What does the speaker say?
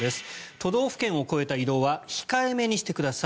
都道府県を越えた移動は控えめにしてください。